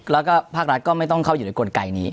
แล้วก็ภาครัฐก็ไม่ต้องเข้าอยู่ในกลไกนี้